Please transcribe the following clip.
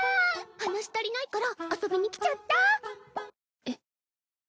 話し足りないから遊びに来ちゃった。え。